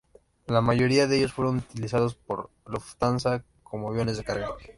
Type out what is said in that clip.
La mayoría de ellos fueron utilizados por Lufthansa como aviones de carga.